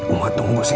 umar tunggu sini